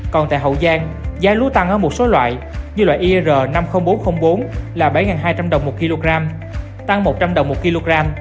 còn tại hậu giang giá lúa tăng ở một số loại như loại ir năm mươi nghìn bốn trăm linh bốn là bảy hai trăm linh đồng một kg tăng một trăm linh đồng một kg